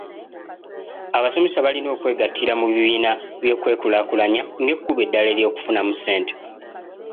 Abasomesa balina okwegattira mu bibiina by'okwekulaakulanya ng'ekkubo eddala ery'okufunamu ssente.